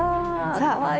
かわいい。